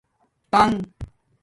تنگ